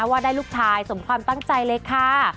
ว่าได้ลูกชายสมความตั้งใจเลยค่ะ